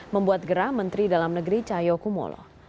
membuat gerah menteri dalam negeri cahaya kumolo